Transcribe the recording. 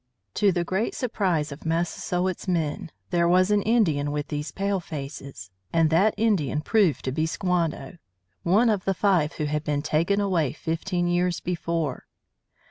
To the great surprise of Massasoit's men, there was an Indian with these palefaces. And that Indian proved to be Squanto, one of the five who had been taken away fifteen years before.